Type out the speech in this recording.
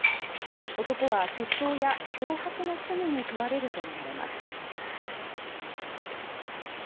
男は窃盗や脅迫の罪に問われるとみられます。